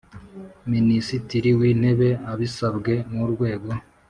Minisitiri w intebe abisabwe n urwego